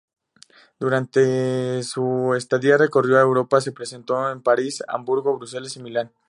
Durante su estadía recorrió Europa, se presentó en París, Hamburgo, Bruselas y Milán.